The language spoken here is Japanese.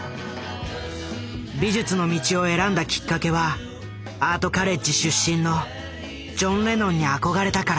美術の道を選んだきっかけはアートカレッジ出身のジョン・レノンに憧れたから。